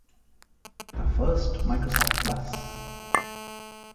The first Microsoft Plus!